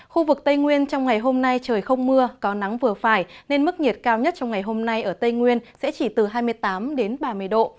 khu vực tây nguyên trong ngày hôm nay trời không mưa có nắng vừa phải nên mức nhiệt cao nhất trong ngày hôm nay ở tây nguyên sẽ chỉ từ hai mươi tám đến ba mươi độ